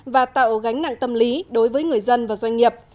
và tạo gánh nặng tâm lý đối với người dân và doanh nghiệp